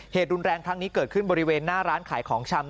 เหตุรุนแรงครั้งนี้เกิดขึ้นบริเวณหน้าร้านขายของชำ